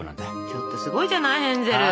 ちょっとすごいじゃないヘンゼル！